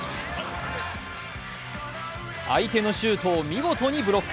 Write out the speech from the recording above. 相手のシュートを見事にブロック。